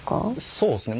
そうですね。